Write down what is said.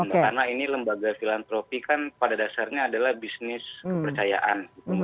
karena ini lembaga filantropi kan pada dasarnya adalah bisnis kepercayaan